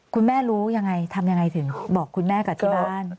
คุณแม่รู้ยังไงทำยังไงถึงบอกคุณแม่กลับที่บ้าน